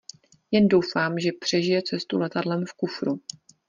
Jen doufám, že přežije cestu letadlem v kufru.